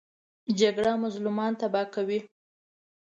جګړه مظلومان تباه کوي